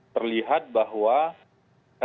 terlihat bahwa lhkpk